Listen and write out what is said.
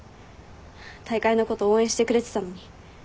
大会のこと応援してくれてたのに。